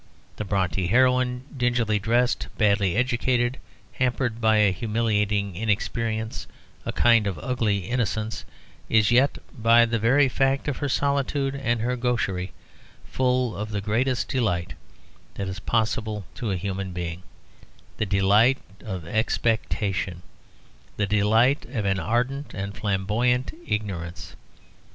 The Brontë heroine, dingily dressed, badly educated, hampered by a humiliating inexperience, a kind of ugly innocence, is yet, by the very fact of her solitude and her gaucherie, full of the greatest delight that is possible to a human being, the delight of expectation, the delight of an ardent and flamboyant ignorance.